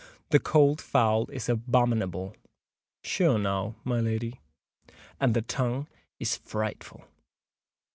"The cold fowl's abominable!" "Sure now, my lady!" "And the tongue frightful!"